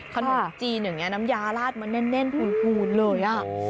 ขนมจีนอย่างนี้น้ำยาลาดมาแน่นพูนเลย